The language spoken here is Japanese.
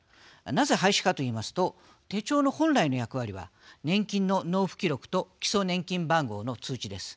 なぜ廃止かと言いますと手帳の本来の役割は年金の納付記録と基礎年金番号の通知です。